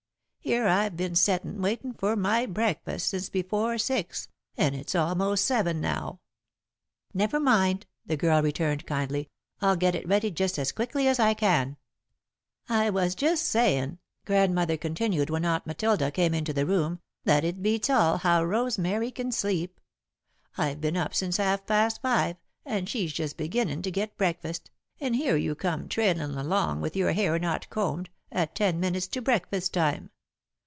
"Here I've been settin', waitin' for my breakfast, since before six, and it's almost seven now." "Never mind," the girl returned, kindly; "I'll get it ready just as quickly as I can." "I was just sayin'," Grandmother continued when Aunt Matilda came into the room, "that it beats all how Rosemary can sleep. I've been up since half past five and she's just beginnin' to get breakfast, and here you come, trailin' along in with your hair not combed, at ten minutes to breakfast time.